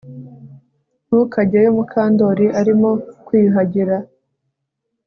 Ntukajyeyo Mukandoli arimo kwiyuhagira